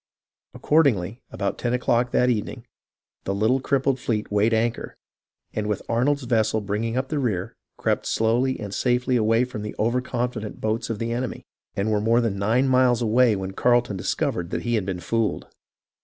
Accordingly, about ten o'clock that evening, the little crippled fleet weighed anchor, and with Arnold's vessel bringing up the rear, crept slowly and safely away from the over confident boats of the enemy, and were more than nine miles away when Carleton discovered that he had been fooled.